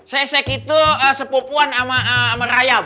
sesek itu sepupuan sama merayap